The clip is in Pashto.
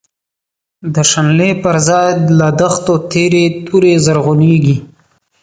د شنلی بر ځای له دښتو، تیری توری زرعونیږی